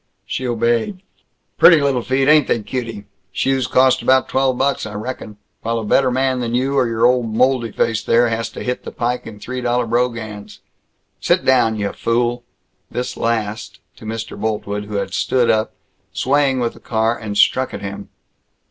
She obeyed. "Pretty lil feet, ain't they, cutie! Shoes cost about twelve bucks, I reckon. While a better man than you or old moldy face there has to hit the pike in three dollar brogans. Sit down, yuh fool!" This last to Mr. Boltwood, who had stood up, swaying with the car, and struck at him.